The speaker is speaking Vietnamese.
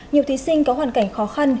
nhiều thí sinh có hoàn cảnh khó khăn